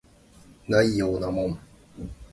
ないようなもん